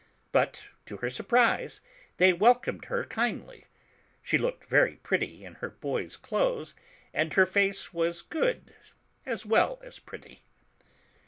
But to her surprise they welcomed her kindly. She looked very pretty in her boy's clothes, and her face was good, as well as pretty.